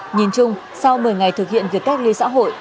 nhìn chung sau một mươi ngày thực hiện việc cách ly xã hội